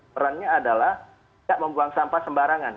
perannya adalah tidak membuang sampah sembarangan